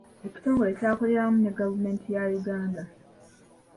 Ekitongole kyakolera wamu ne gavumenti ya Uganda.